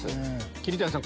桐谷さん